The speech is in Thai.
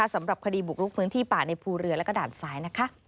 สำหรับคดีบุกลุกพื้นที่ป่าในภูเรือและก็ด่านซ้าย